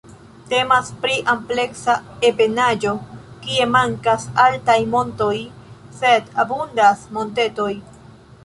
Temas pri ampleksa ebenaĵo kie mankas altaj montoj, sed abundas montetoj.